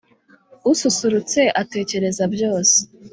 ususurutse atekereza byose.